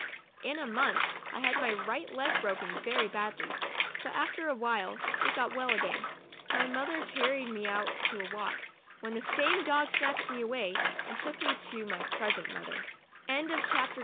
In a month I had my right leg broken very badly, but after a while it got well again. My mother carried me out to walk, when the same dog snatched me away, and took me to my present mother.